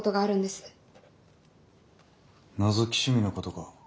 のぞき趣味のことか。